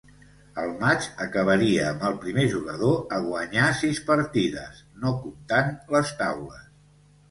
El matx acabaria amb el primer jugador a guanyar sis partides, no comptant les taules.